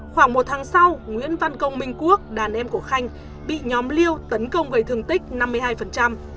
khoảng một tháng sau nguyễn văn công minh quốc đàn em của khanh bị nhóm liêu tấn công gây thương tích năm mươi hai